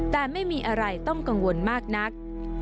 แต่ไม่มีอะไรต้องกังวลมากนัก